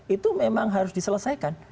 itu memang harus diselesaikan